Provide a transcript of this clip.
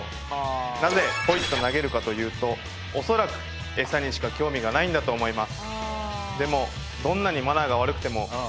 なぜポイっと投げるかというとおそらくエサにしか興味がないんだと思います